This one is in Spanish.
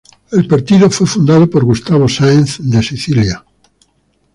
El partido fue fundado por Gustavo Sáenz de Sicilia.